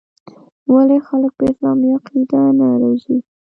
ولـې خـلـک پـه اسـلامـي عـقـيده نـه روزي.